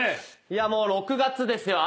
もう６月ですよ。